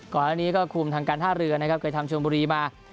ก่อนอันนี้ก็คุมทางการท่าเรือนะครับเคยทำชวนบุรีมา